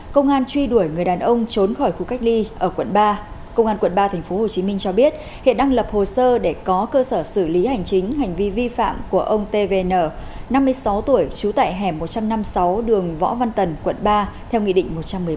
công an truy đuổi người đàn ông trốn khỏi khu cách ly ở quận ba công an quận ba tp hcm cho biết hiện đang lập hồ sơ để có cơ sở xử lý hành chính hành vi vi phạm của ông tvn năm mươi sáu tuổi trú tại hẻm một trăm năm mươi sáu đường võ văn tần quận ba theo nghị định một trăm một mươi ba